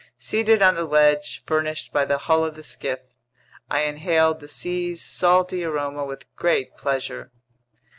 Seated on the ledge furnished by the hull of the skiff, I inhaled the sea's salty aroma with great pleasure.